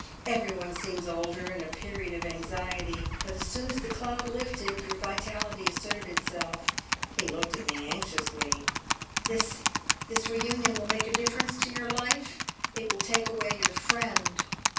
Every one seems older in a period of anxiety; but as soon as the cloud lifted your vitality asserted itself." He looked at me anxiously. "This this reunion will make a difference to your life? It will take away your friend."